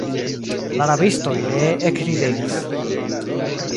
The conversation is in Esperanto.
La rabistoj ree ekridegis.